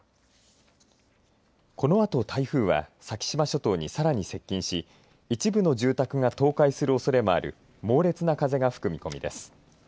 このあと、台風は先島諸島にさらに接近し一部の住宅が倒壊するおそれがある猛烈な風が吹く見込みです。